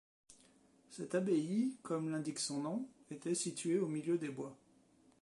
Cette abbaye, comme l'indique son nom, était située au milieu des bois.